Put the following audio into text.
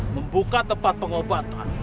membuka tempat pengobatan